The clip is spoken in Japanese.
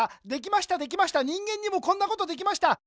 できましたできました人間にもこんなことできました。